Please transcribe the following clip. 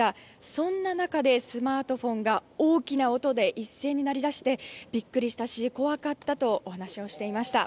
そんな中でスマートフォンが大きな音で一斉に鳴りだしてビックリしたし、怖かったとお話をされていました。